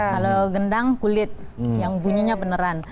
kalau gendang kulit yang bunyinya beneran